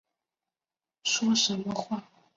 说什么话